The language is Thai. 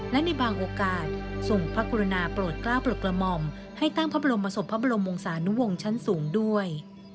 และในบางโอกาสทรงพระกรุณาโปรดกล้าปลดกระหม่อมให้ตั้งพระบรมศพพระบรมวงศานุวงศ์ชั้นสูงด้วย